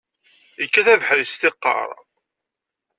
Ikkat abeḥri s tiqqaṛ.